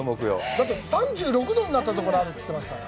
だって、３６度になったところがあるって言ってましたから。